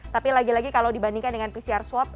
tapi lagi lagi kalau dibandingkan dengan pcr swab